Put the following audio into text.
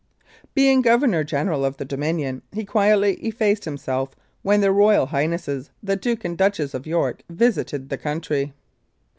Being Governor General of the Dominion, he quietly effaced himself when their Royal Highnesses the Duke and Duchess of York visited the country.